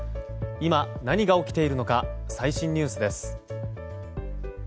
今、何が起きているのか最新ニュースです。